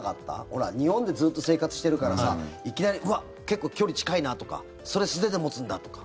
ほら、日本でずっと生活してるからさいきなりうわっ、結構距離近いなとかそれ、素手で持つんだとか。